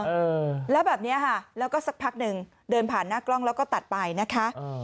เออแล้วแบบเนี้ยค่ะแล้วก็สักพักหนึ่งเดินผ่านหน้ากล้องแล้วก็ตัดไปนะคะอ๋อ